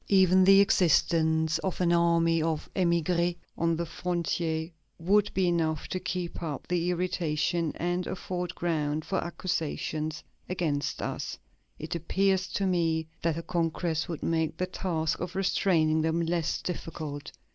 Even the existence of an army of émigrés on the frontier would be enough to keep up the irritation and afford ground for accusations against us; it appears to me that a congress would make the task of restraining them less difficult....